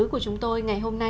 của chúng tôi ngày hôm nay